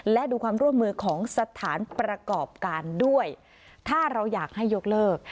และดูความร่วมมือของสถานประกอบการด้วยถ้าเราอยากให้ยกเลิก